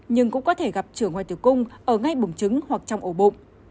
nhưng cũng có thể gặp chữa ngoài từ cung ở ngay bùng trứng hoặc trong ổ bụng